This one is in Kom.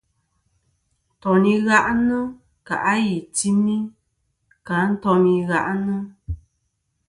Ntoyn i gha'nɨ kà' a i timi kɨ a ntom i gha'nɨ.